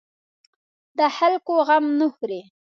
د خلکو غم نه خوري.